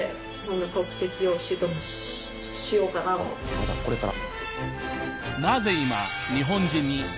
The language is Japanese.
まだこれから。